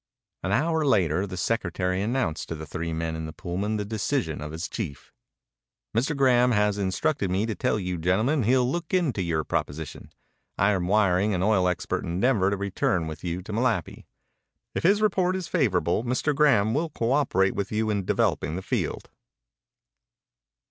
An hour later the secretary announced to the three men in the Pullman the decision of his chief. "Mr. Graham has instructed me to tell you gentlemen he'll look into your proposition. I am wiring an oil expert in Denver to return with you to Malapi. If his report is favorable, Mr. Graham will cooperate with you in developing the field."